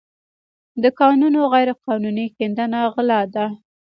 د کانونو غیرقانوني کیندنه غلا ده.